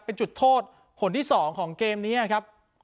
เป็นจุดโทษคนที่๒ของเกมนี้ครับ